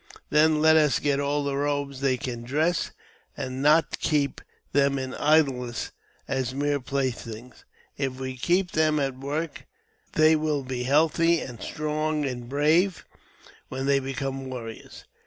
Then let us get all the robes they can dress, ■ and not keep them in idleness as mere playthings. If we keep i them at work, they will be healthy, and strong, and brave, when they become warriors.